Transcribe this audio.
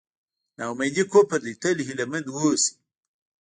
نا اميدي کفر دی تل هیله مند اوسئ.